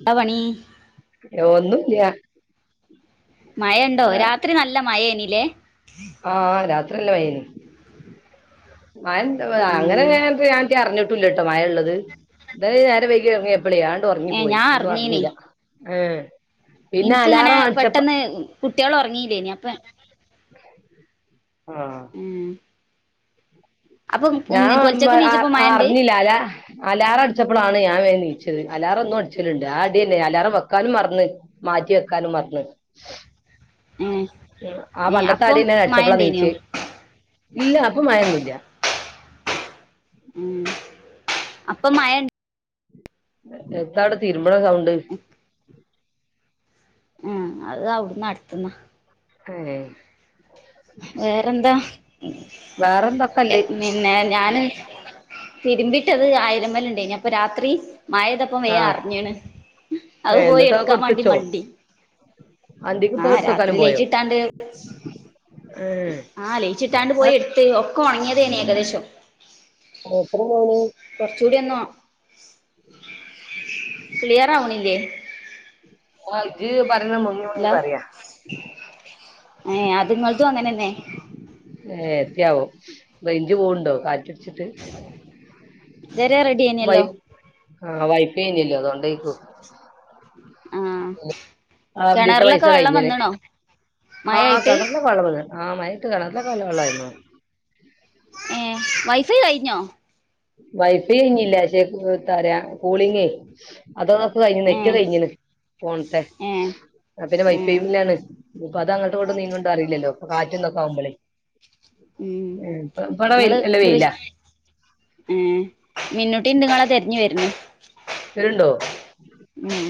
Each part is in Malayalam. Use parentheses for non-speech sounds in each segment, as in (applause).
എന്താ പണി (unintelligible) ഒന്നുല്ല്യ മഴണ്ടോ രാത്രി നല്ല മഴേനില്ലേ ആ രാത്രിഅല്ല മഴെന്നു മഴണ്ട്ആ അങ്ങനേ ഉം. പെയ്യാന്ചി അറിഞ്ഞിട്ടൂല്ലാട്ടോമഴള്ളത് ദേ നേരം വൈകിഒറങ്ങി ഇപ്പള് ആണ്ടു ഏ റങ്ങിപോയി ഞാൻ ഒന്നും അറിഞ്ഞില്ല ഏ പിന്നെ ഇനിക്ക്ങ്ങനെ അലാറം അടിച്ചപ്പ പെട്ടെന്ന് കുട്ടികള് ഉറങ്ങീല്ലേനു അപ്പ ആ ഉം. അപ്പം ഉം ഞാൻ പൊലച്ചക്ക് ഒറങ്ങുമ്പോആ നീച്ചപ്പോ ആ മഴണ്ട് അറിഞ്ഞില്ല അലാ അലാറടിച്ചപ്പൊളാണ് ഞാൻ വേം നീച്ചത് അലാറ ഒന്നും അടി ചലുണ്ട് ആ അടി അല്ലേ അലാറം വെക്കാനും മറന്ന് മാറ്റി വെക്കാനും മറന്ന് ഉം. ഉം ആ ഏ ഏ അപ്പം പണ്ടത്തടിന്നേ മഴ അടിച്ചപ്പളാ ഉണ്ടേനിയോ നീച്ച് ഇല്ല അപ്പൊ മഴൊന്നുല്ല്യ ഉം അപ്പൊ മഴ എന്താണ് തിരുമ്പണസൗണ്ട് ഉംഅത് അവിട്ന്ന് അട്ത്ത്ന്നാ കേ വേറെന്താഎ വേറെന്തൊക്കല്ലേ പിന്നെ ഞാന് തിരിമ്പിട്ടത് അയലിമ്മല്ണ്ടായിന്ന് അപ്പരാത്രി മഴയ്തപ്പോ ആ വേഅറിഞ്ഞീണ് ഏ അത് പോയി എന്നിട്ട് ഇട്ക്കാവാണ്ടി കൊടുത്തച്ചോ മണ്ടി അന്തിക്ക് ഇപ്പൊ ആരാത്രി എടുത്തക്കാനും പോയോ ലൈറ്റിട്ടാണ്ട് ഏ ആഹ് ലയിച്ചിട്ടാണ്ട് ആ പോയി എടുത്ത് ഒക്കെ ഉണങ്ങിയതേനി ഏകദേശം എത്ര മണി കൂടെന്നോ ഉ (unintelligible) ക്ളിയർ ആാവണില്ലേ അജ (unintelligible) തന്നെ മുങ്ങി മുങ്ങി പറയാ ഏഹ് അത് ഇങ്ങൾതും അങ്ങനെന്നെ ഏ എത്തിയാവും റേഞ്ച് പോവ്ണ്ടോ കാറ്റടിച്ചിട്ട് ഇതുവരെ വൈ റെഡിയേനല്ലോ ആഹ വൈ്പന്നല്ലോ അതോണ്ടേക്കൂ ആഹ് ആ അതിത്തെ പൈസ കിണറിലൊക്കെ വെള്ളം കഴിഞ്ഞ് ണ് വന്നണോ ആഹ മഴയായിട്ട് കേണറിലൊക്കെ മയട്ട് കിണറില കൊള്ളവെള്ളായിരുന്നു ഏ വൈഫൈ കഴിഞ്ഞോ വൈഫൈ ഇഞ്ഞ് ഇല്ല ശേ ത്തറിയ കൂളിങേ അതോ തൊക്ക കഴിഞ്ഞു നെറ്റ് ഏഹ് കഴിഞ്ഞുണ് ഫോണത്തെ ഏഹ് ആ പിന്നെ വൈഫൈ ഏഹ് മ ല്ലാണ് (unintelligible) ട് നീങ്ങ് ണ്ടോ അറില്ലല്ലോ പ്പം കാറ്റും തെക്കെ ആവു മ്പോളേ ഉം ഉ ഇപ്പട വെ ടെ അല്ല നല്ല വെയില ഏ മിന്നോട്ടിണ്ട്ങ്ങളാ തെരഞ്ഞ് വരഞ്ഞ് വര്ണ്ടോ ഉം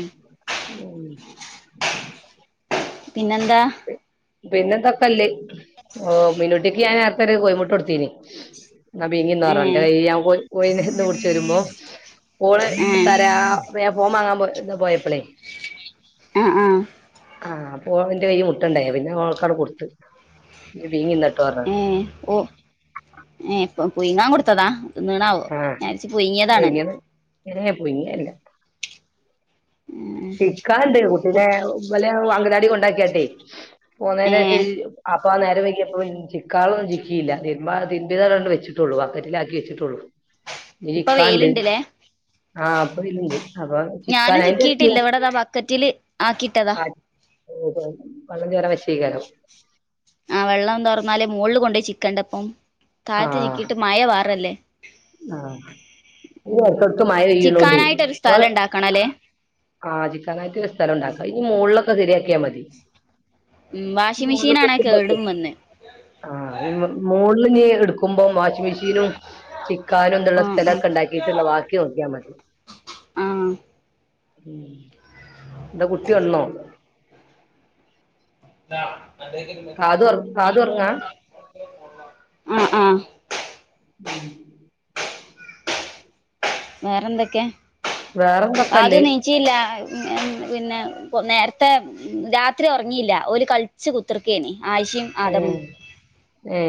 ഉം പിന്നെെന്താ പിന്നെന്താ ക്കാനല്ലേ ഓ മിന്നുട്ടിക്ക് ഞാൻ നേരത്തെ ഒരു കോയിമുട്ട കൊടുത്തീന് ഇന്നാ പീങ്ങി ഏഹ് ന്നേപറഞ്ഞാ ഇന്റെ കൊ കോ നിന്ന് പുട്ച്ച് വരുമ്പോം ഓ ള് ഏഹ് തരാ പ്പം ഞാൻ ഫോ മാങ്ങാൻ പോ എന്താ പോയപ്പളേ ആ ആ ആഹ് അപ്പോ ന്റെ കൈയ് മുട്ടണ്ടായ പിന്നെ ഓക്കാട് കൊടുത്ത് ജ് പീങ്ങി ഏ ഓ ഏ ഇപ്പൊ പുഴ്ങ്ങാൻ കൊടുത്തതാ തിന്ന് ണാവോ ആഹ് ഞാരിച്ച പുഴുങ്ങീതാണെന്ന് പുഴുങ്ങിയത് ഉ ചിക്കാണ്ട് കുട്ടീനെ കുട്ട് വല് അങ്കലാടി കൊണ്ടാക്കിയാട്ടെ ഏ പോന്നേനേഷംഅപ് അപ്പ ആ നേര വെക്കിയപ്പ ചിക്കാളൊന്നും ചിക്കിയില്ല തീർമ്പ തിർ മ്ബ്യേത് അവിടെ ങ്ങാട് വച്ചിട്ടുള്ളു ആ വകറ്റിലാക്കി വെച്ചിട്ടുള്ളൂ ഇഞ്ഞ് ഇപ്പൊ ചിക്കാണ്ട് വെയിലുണ്ട്ല്ലേ ആഹ് അപ്പൊ ഇത്ണ്ട് അപ്പൊ ചിക്കാൻ ആയിറ്റ് ട്ടില്ല ഇവിടെതാ ബക്കറ്റില് ആക്കിട്ടതാ ഓഹോ വള്ളം ചോരാ വെച്ചേക്കാരം ആ വെള്ളം തോർന്നാൽ മോളില് കൊണ്ടയി ചിക്കണ്ടപ്പം ആ താഴത് ചിക്കിയിട്ട് മഴ പാറല്ലേ ആ ഈ ഉം ഇടക്കേടക് മഴ പെയ്യണൊണ്ടേ ചിക്കാനായിട്ടൊരു നമ്മള് സ്ഥലം ഉണ്ടാക്കണല്ലേ ആ ചിക്കാനായിട്ട് ഒരു സ്ഥലം ണ്ടാക്കുക ഇനി മോളില് ഉം വാഷിംഗ് മെഷീൻ മുകളിലൊക്കെ ആണേ ഇടുമ്പോ- കേടും വന്ന് ആ മോളില് ഞീട്ക്കുമ്പം വാഷിംഗ് മെഷീനും ചിക്കാനും തുള്ള ആ ആ സ്ഥലൊക്കെ ഉണ്ടാക്കിയിട്ടുള്ള വാക്കി നോക്കിയാൽ മതി ആഹ് ഉംന്താ കുട്ടി ഒണ്ന്നോ ആ ആ കാത് ഉറ- കാത് ഉറങ്ങാ ഉം വേറെന്തൊക്കെ വേറെന്തൊക്കെ അത് അല്ലേ നീച്ചില്ല (unintelligible) പിന്നെ നേരത്തെ രാത്രി ഒർങ്ങില്ല ഒൽ കള്ച്ച് കുത്തിർക്കേനി ആയിഷിം ഏ ആദമും ഏ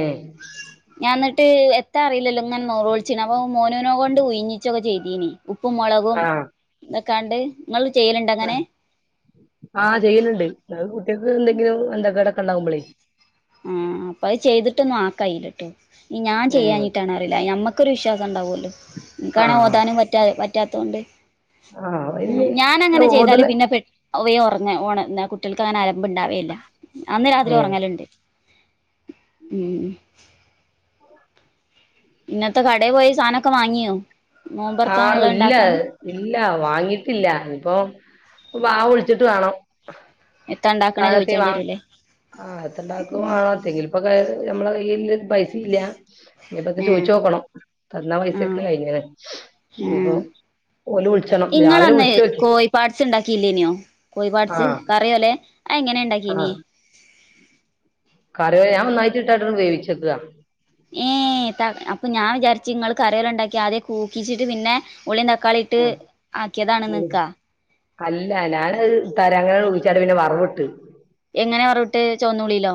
ഞാൻ ന്ന ട്ട് എത്താ അറിലല്ലോ ങ്ങനെ നോലോളിച്ച് ണേ അപ്പൊ മോനൂനെ കൊണ്ട് ഉഴ്ഞ്ഞിച്ചൊക്കെ ചെയ്തീനീ ഉപ്പും മുളകും ആ തൊക്കാണ്ട് ങ്ങൾ ആഹ് ആ ചെയ്യലുണ്ട് അത് കുട്ടിയോക്ക് എന്തെങ്കിലും അന്തക്കടൊക്കെണ്ടാവുമ്പളെ ഏ അപ്പഅ് ചെയ്തിട്ടൊന്നും ആക്കയിലട്ടൊ ഞാൻ ഉം ചെയ്യാഞ്ഞിട്ടാണൊ അറിയില്ല. ഞമ്മക്കൊരു വിശ്വാസം ഉണ്ടാവോല്ലൊ ഇൻക്കാണെ ആഹ് ഓതാനും പറ്റാ പ റ്റാത്തോണ്ട് ആഹ് അയിന് ഞാനങ്ങന് ചെയ്താല് ഓതല് പിന്നെ പെ വേം ഒറങ്ങേ ഒണ ന്നാ കുട്ടീൾക്ക് അങ്ങനെ ആലമ്പ് ഇണ്ടാവലില്ല അന്ന് രാത്രി ഉം ഒറങ്ങല്ണ്ട് മ് ഇന്നത്തെ കടേപോയി സാനൊക്കെ വാങ്ങിയൊ ആഹ് ഇല്ല ഇ ല്ല വാങ്ങീട്ടില്ല ഇപ്പൊ വാവുളിച്ചിട്ട് വേണം എത്താ ഉണ്ടാക്കണ സാധത്തിന് വാ ചോദിച്ചേണ്ടി വരൂല്ലേ ആഹ് അത്രണ്ടാക്കും വാണം തെങ്കിലും പ്പ നമ്മളെ കയ്യില് പൈ സില്ലാ ഏഹ് ഇഞ്ഞ്പ്പൊത്തചോയിച്ചോക്കണം തന്നാ പൈസൊക്കെ കഴിഞ്ഞ്ണ് ഏ വിളിച്ചണം രാവിലെ ഇങ്ങളന്ന് വിളിച്ചോക്കി കോഴിപാട്സ് ഇണ്ടാക്കീല്ലേനൊ കോഴി പാട്സ് ആഹ് കറി പോലെ അത് എങ്ങനെയാ ഇണ്ടാക്കീന് കറിവെ ഞാൻ ഒന്നായിട്ട് ഇട്ടാണ്ട് വേവിച്ച് വെക്കുവാണ് ഏ ത അപ്പൊ ഞാൻ വിചാരിച്ച് ഇങ്ങള് കറികളുണ്ടാക്കി ആദ്യം കൂക്കിച്ചിട്ട് പിന്നെ ഉള്ളിയും തക്കാളി ഇട്ട് ആക്കിയതാണ് നിക്കാ അല്ല ഞാനത് (unintelligible) പിന്നെ വറവിട്ട് എങ്ങനെ വറവിട്ട് ചോന്നുള്ളീലോ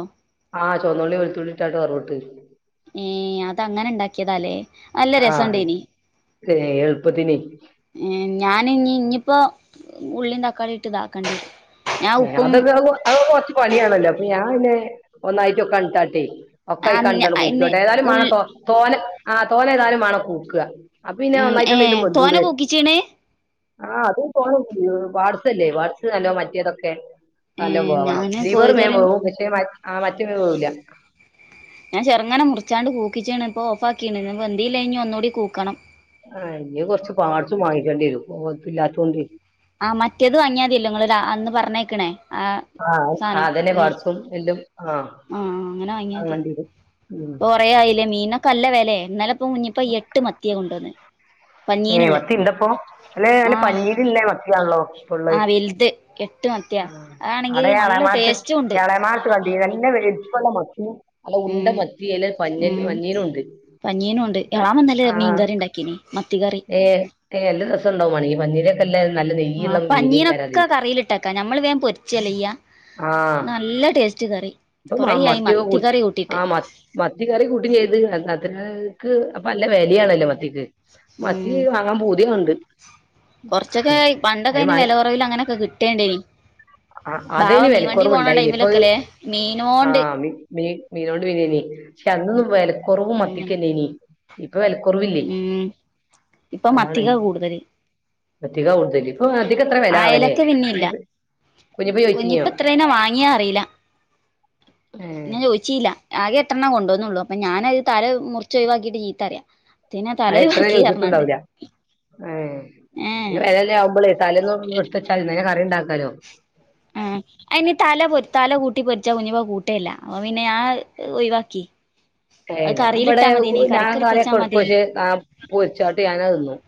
ആഹ് ചുവന്നുള്ളിയും വെളുത്തുള്ളിട്ടാണ്ട് വറവിട്ട് ഏ അതങ്ങനെ ഉണ്ടാക്കിയതാല്ലെ നല്ല രസവുണ്ടേന് ഏ എളുപ്പത്തിന് ഞാൻ ഇനി ഇനീപ്പോ ഉള്ളിയും തക്കാളിയും ഇട്ട് ഇതാക്കണ്ടി വരും ഞാൻ ഉപ്പും അതൊക്കെ അത് കൊറച്ച് പണിയാണല്ലോ അപ്പൊ ഞാൻ പിന്നെ ഒന്നായിട്ട് (unintelligible) ഒക്കെ ആയിക്കാണ്ട് അന്ന് ആണ് കൂക്കുക അയിന് ഏതായാലും മാണം ഉള്ളി തോനെ ആഹ് തോനെ ഏതായാലും വേണം കൂക്കുക അപ്പോ ഇനി ഏ ഒന്നായിട്ടൊണ്ടെങ്കിലും തോന കൂക്കിച്ചീണ് (unintelligible) ആഹ് അത് പൊ വാട്സ്സല്ലെ വാട്സ് നല്ലതാ മറ്റേതൊക്കെ ഏ നല്ലോ വേവണം ഞാന് ലിവറ് വേഗം കോഴിക്കറി വേവും പക്ഷേ മ ആ മറ്റേത് വേവൂല്ല ഞാൻ ചെറുങ്ങനെ മുറിച്ചാണ്ട് കൂക്കിച്ചിണ് ഇപ്പൊ ഓഫിക്കീണ് ഇനി വെന്തീലെ ഇനി ഒന്നൂടെ കൂക്കണം ആഹ് ഇനിയും കൊറച്ച് പാട്സും വാങ്ങിക്കേണ്ടി വരും ഓൾക്ക് ഇല്ലാത്തോണ്ടെ ആഹ് മറ്റേത് വങ്ങിയാ മതീല്ലോ ഇങ്ങള് രാ അന്ന് പറഞ്ഞേക്കണെ ആഹ് അതെന്നെ പാട്സും എല്ലും. ആഹ് അങ്ങനെ വാങ്ങിയതി. വാങ്ങണ്ടിരും ഉം കൊറേആയിലെ മീനൊക്കെ നല്ല വെലെ ഇന്നലെ ഇപ്പൊ കുഞ്ഞിപ്പ എട്ട് മത്തിയ കൊണ്ടുവന്നെ. ഏഹ് പഞ്ഞീന്ള്ളേ മത്തി ഇണ്ടപ്പൊ. ലേ അല്ലെ പഞ്ഞീര്ള്ള മത്തിയാണല്ലൊ. ആഹ് വൽത്. ആഹ് അടേ എളമാട്ത് ടേസ്റ്റും ഉണ്ട് എളമാട്ത്. കണ്ടീന്നു നല്ല വൽപള്ള മത്തി. അല്ല ഉണ്ട ഉം മത്തി. യെല പഞ്ഞ പഞ്ഞീലും ഉണ്ട് പനീനും ഉണ്ട് എളാമന്നലെ മീൻകറി ഇണ്ടാക്കീന്. മത്തി കറി. എല്ല രസം ഇണ്ടാവും വേണങ്കി പഞീരൊക്കെല്ല. ആഹ് പഞീനൊക്കെ കറീലെട്ടക നമ്മൾ വേം പൊരിച്ചല്യയ്യ നല്ല ടേസ്റ്റ് കറി. അപ്പൊമാ കൊറേയായി മത്തിയൊകെ കൂട്ടി മത്തിക്കറി കൂട്ടിട്ട് ആഹ് മ മത്തി കറി കൂട്ടി ചെയ്ത് എന്നാ തന്നെ. ക്ക് അപ്പൊ അല്ല വെലയാണല്ലൊ മത്തിക്ക്. മത്തി ഉം വാങ്ങാൻ പൂതിയകണ്ട്. കൊറച്ചൊക്കെ ഈ അത് പണ്ടൊകയിന് വാങ്ങി വെല കൊറവിലങ്ങനൊകെ കിട്ടെണ്ടെയ്ന്- ആഹ് അതയിന് വെലക്കുറവ്ണ്ടയ്ന്. ഇപ്പൊത് ടൈമിലൊക്കെല്ലേ മീനോണ്ട് ആഹ് മീനോണ്ട് മീനേന്. പഷെ അന്നൊന്നും വെല കൊറവ് ഉം മത്തിക്കെന്നേന്. ഉം ഇപ്പ മത്തിക കൂടുതല്. അധിക കൂടുതല്. ഇപ്പൊ അധികം എത്ര വെലാ ആവൊലേ. കുഞിപ്പ എത്രേനാ വാങ്ങിയെ അറീല. ഏഹ് ഞാൻ ചോയ്ച്ചീല്ല ആകെ എത്രണ്ണം കൊണ്ടവന്നള്ളൂ അപ്പ ഞാന അത് തല മുറിച്ച ഒഴിവാക്കിട്ട് ജീത്തറിയാം അ എത്രേ ചോയിച്ചിട്ടുണ്ടാവില്ല്യാ ആ ഏഹ് (unintelligible) ആവുമ്പളെ തലേന്നൊന്ന് ഇട്ത്തച്ചാല് ഇന്നന്നെ കറിണ്ടാക്കാലോ ആ അയ്നി തല പൊ തല കൂട്ടിപൊരിച്ചാ കുഞ്ഞിപ്പ കൂട്ടേല്ല അപ്പപിന്നെ ഞാ അഹ് ഒഴിവാക്കി ഏ അത് ഞാവിടെ കറിയിലിട്ടാ മതിയേനി ഞാൻ കറിക്ക് എടുത്ത് വെച്ചാ തലൊക്കെ എടുക്കു മതിയേനി പക്ഷേ പൊരിച്ചാട്ട് ഞാൻ തന്നെ തിന്നും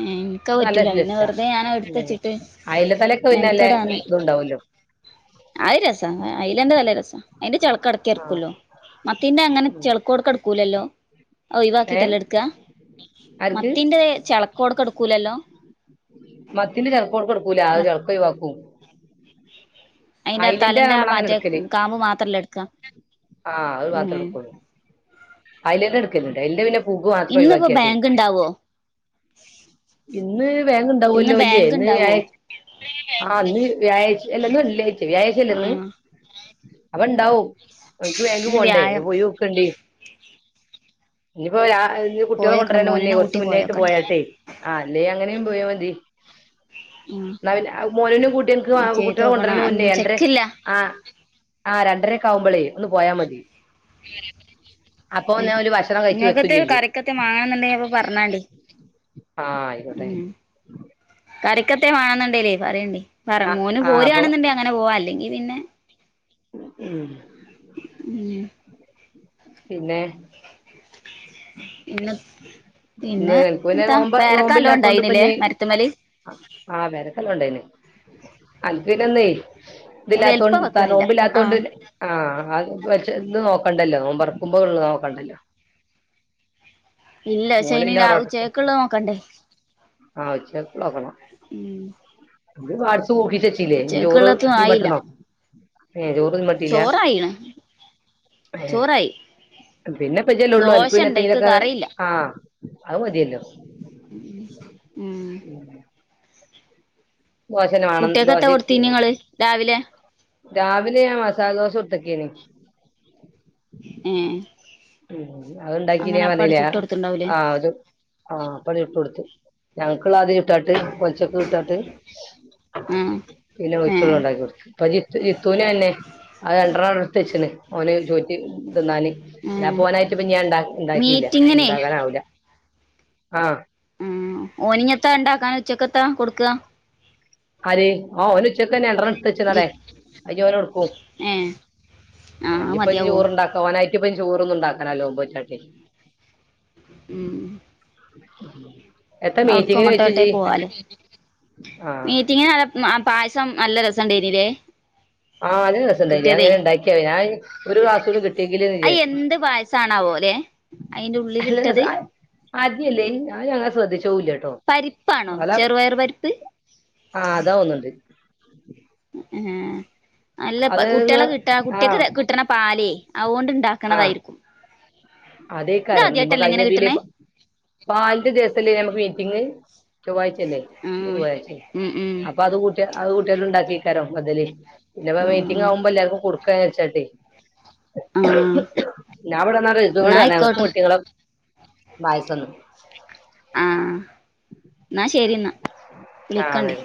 മ് ഇന്ക്കത് ഇൻക്ക് പറ്റൂല പിന്നെ വെറുതെ ഞാനത് ഇട്ത്തച്ചട്ട് അയില തലൊക്കെ പിന്നെയല്ലാതുണ്ടാവല്ലോ ആയി രസാ അയിലന്റെ തലരസാ അയിന്റെ ചെളക്ക് അടക്കി ആഹ് എട്ക്കല്ലോ മത്തിന്റെ അങ്ങനെ ഉം ചെളക്കോട്ക്ക ഇട്ക്കൂലല്ലോ ഏഹ് ഒഴിവാക്കിട്ടല്ലെ എടുക്ക ആർക്ക് മത്തിന്റെ ചളക്കോടൊക്കെ എടുക്കൂലല്ലോ മത്തിന്റെ ചെല്ക്കോട്ക്ക എടുക്കൂല അത് മ ചെല്ക്ക ഒഴിവാക്കും അയിന്റെ അയിലന്റെ തലന്റാ നമ്മളങ്ങനെ മറ്റേ എടുക്കല് മ് കാമ്പ് മാത്രല്ലെ എടുക്കാ ആഹ് അത് മാത്രെ എടുക്കുള്ളൂ അയലേന്നെ എടുക്കല്ണ്ട് അയില് പിന്നെ പുക്ക് മാത്രം ഇന്നിപ്പോ ഒഴിവാക്കിയാട്ടെ ഇന്ന് ബാങ്ക് ഇണ്ടാവോ ഇന്ന് ഇന്ന് ബേങ്ക്ണ്ടാവല്ലോല്ലെ ബാങ്ക് ഇന്ന് ഇണ്ടാവോ വ്യാഴായ് ആ ഇന്ന് വ്യാഴായച അല്ല ഇന്ന് വെള്ളിയാ ശനിഴാഴ്ച്ചല്ലെന്ന് ആഹ് അപ്പ ഇണ്ടാവും അനക്ക് ബേങ്ക് ഇന്ന് പോണ്ടേ വ്യാഴം പോയോക്കേണ്ടി ഇനിപ്പോയാ അത്ഞ്ഞ് കുട്ടികളെ പോയോക്കണം കൊണ്ടര്ണെ മുന്നേ മോനിനെ കൊറ്ച്ച കൂട്ടി മുന്നായിട്ട് പോയോക്കട്ടെ പോയാട്ടെ ആ അല്ലേ അങ്ങനെയു പോയാമതി ഉം ന്നാ പിന്നെ അത് മോനൂനും കൂട്ടി അനക്ക് ആ ആഹ് കുട്ടികളെ ചെയ്തോക്കണം കൊണ്ട്രര്ന മുന്നേ ഒന്നും (unintelligible) ചെക്കില്ല ആ ആ രണ്ടരക്ക ആവുമ്പളേ ഒന്ന് പോയാ മതി അപ്പൊ (unintelligible) ഉം ഞാൻ ഓല് ഭക്ഷണം കഴിച്ച് എത്തും നിങ്ങൾക്കത്തെ ചെയ്യും കറിക്കത്തെ വാങ്ങണം എന്നുണ്ടെ അപ്പൊ പറ്ഞ്ഞാണ്ടി ആഹ് ആയിക്കോട്ടെ കറിക്കത്തെ വേണന്നുണ്ടല്ലേ പറയണ്ടേ പറ ആ മോനും ആ അപ്പൊ പോരിയാണെന്നുണ്ടേ അങ്ങനെ പോവാ അല്ലെങ്കി പിന്നെ ഉം ഉം പിന്നെ ഉ (inaudible) പി ഇന്ന് പിന്നെ എനക്ക് പിന്നെ എന്താ നോമ്പ് പേരക്കല്ലോ ഉണ്ടായിനല്ലേ മരുത്തുമലി ആഹ് വെലൊക്കെ നല്ലൊണ്ടയിന് അനക്ക് പിന്നന്നെ ഇതില്ലാത്തോ വലുപ്പം വെക്കണില്ല തലോമ്പില്ലാത്തോണ്ട് ആഹ് പിന്നെ ആ അഹ് (unintelligible) ന്ന് നോക്കണ്ടല്ലോ നോമ്പറ്ക്കുമ്പോള്ള നോക്കണ്ടല്ലോ ഇല്ല പക്ഷെ മോന് ഇനി പിന്നെ രാ തറവാട്ട്ക്ക്. പോയിക്കാണ് ഉച്ചക്കുള്ളത് നോക്കണ്ടേ ആ ഉച്ചക്ക് നോക്കണം ഉം ഓന് പാട്സ് കൂക്കിച്ചെച്ചിലെ ഞ്ഞ് ചോറ് ഉച്ചക്കുള്ളതും ആയില്ല തീമ്പട്ടണം ഏ ചോറ് തിന്ന്ട്ടില്ല ചോറായിണ് ഏ ചോറായി പിന്നെപ്പ ഇജ്ല്ലേള്ളൂ ദോശ ഉണ്ട് അയ്ക്ക് അന്ക്കപ്പത്തേങ്കിലൊക്കെ കറിയില്ല ആ ആ അത് മതിയല്ലോ ഉം ഉം ദോശന്നെ വേണം കുട്ട്യാക്കത്താ ദോശക്ക് കൊടുത്തീനങ്ങള് രാവിലെ രാവിലെ ഞാൻ മസാലദോശ ചുട്ടു ക്കേനി ഏ ഉ അത്ണ്ടാക്കി അങ്ങനെ ഇനാൻ അപ്പാട് വന്നില്ല ചുട്ട് കൊടുത്തുണ്ടാവൂലേ ആ ആ പണി ഇട്ട് കൊടുത്തു ഞങ്ങള്ക്കിള്ള അതിലിട്ടാട്ട് പൊല്ച്ചക്കുട്ടാട്ട് ആഹ് പിന്നെ ഓല്ക്ക്ള്ള ഏഹ് ഇണ്ടാക്കി കൊടുത്ത് പ്പജിത്ത് ജിത്തൂനന്നെ അത് രണ്ട്രറണം എടുത്തച്ച്ണ് ഓന് ചോറ്റി തിന്നാന് ആഹ് അല്ലാപ്പോനായിട്ട് ഇപ്പ ഞാൻ ഇണ്ടാ ഇണ്ടാക്കിയില്ല മീറ്റിങ്ങിനെ ഇണ്ടാക്കാനാവൂല്ല ആഹ ഉം ഓനിഞ്ഞത്താ ഇണ്ടാക്കാന് ഉച്ചക്കെത്താ കൊടുക്കാ ആര് ആ ഓന് ഉച്ചക്കന്നെ രണ്ട്രണം ജി എടുത്തച്ച്ണാടേ അയ് ഓന് കൊടുക്കും ഏഹ് ആഹ് ആ അത് ഞ്ഞ്പ്പയിന് മതിയാവോ ചോറ്ണ്ടാക്ക ഓനായിറ്റ്പ്പയ്ന് ചോറൊന്നു ഇണ്ടാക്കാനവൂല നോമ്പോറ്റാട്ടെ ഉം. ഉ (inaudible) (unintelligible) അവിടുക്കും അങ്ങോട്ടോട്ടേ പോവാലോ ആ മീറ്റിങ്ങിനാ പായസം നല്ല രസംണ്ടേരില്ലേ. ആ നല്ല രസണ്ട അങ്ങനെ ഉണ്ടാക്കിയ ഞാൻ ഒരു ഗ്ലാസോടി കിട്ടിയെങ്കില്ന്ന് അത് വിചാരിച്ചു. എന്ത് പായസാണാവോലെ അയിന്റെ നല്ല രസ ഉള്ളിലിട്ടത്. ആ ആദ്യല്ലേ ഞാൻ അങ്ങനെ ശ്രദ്ധിച്ച് (unintelligible) പരിപ്പാണോ അലാ ചെറുപയർ പരിപ്പ് ആ അതാ ഓന്ന്ണ്ട് ഹേ ഹേ അല്ല അത് കുട്ട്യാളെ കിട്ടാ ആഹ് കുട്ടിയാക്ക് കിട്ട്ണ പാലെ ണ്ടാക്ണതായിരിക്കും അതേകാരം ഇപ്പ കായ്ഞതില് (unintelligible) പാൽന്റെ ദിവസല്ലെന്യോ മീറ്റിംഗ് ചൊവ്വാഴ്ച അല്ലേ ആഹ് ചൊവ്വാഴ്ച ഉം ഉം അപ്പൊ അത് കൂട്ടിയ അത് കൂട്ടികള് ഉണ്ടാക്കിക്കാരോ ബദല് പിന്നെപ്പ മീറ്റിംഗ് ആഹ് ആവുമ്പോ എല്ലാവർക്കും കൊടുക്കാ വിചാരിച്ചാട്ട് ആഹ് ഞാൻ അവിടുന്ന് ഇതുടെ എന്നാ (unintelligible) പറഞ്ഞാരുന്നു ആയിക്കോട്ടെ കുട്ടികളും പായസന്ന് ആ എന്നാ ശരി എന്നാ ആ അതെ വിളിക്കണ്ട്